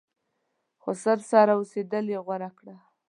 خسر سره اوسېدل یې غوره کړه.